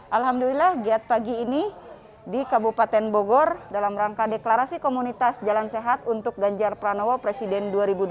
alhamdulillah giat pagi ini di kabupaten bogor dalam rangka deklarasi komunitas jalan sehat untuk ganjar pranowo presiden dua ribu dua puluh